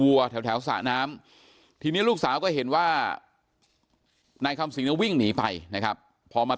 วัวแถวสระน้ำทีนี้ลูกสาวก็เห็นว่านายคำสิงเนี่ยวิ่งหนีไปนะครับพอมา